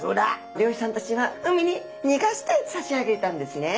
漁師さんたちは海に逃がしてさしあげたんですね。